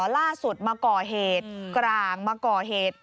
ล่าสุดมาก่อเหตุกลางมาก่อเหตุ